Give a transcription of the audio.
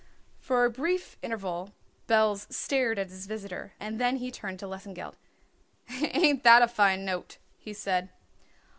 For a brief interval Belz stared at his visitor and then he turned to Lesengeld. "Ain't that a fine note?" he said.